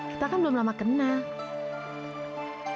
kita kan belum lama kena